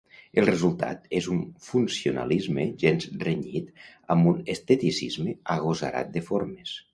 El resultat és un funcionalisme gens renyit amb un esteticisme agosarat de formes.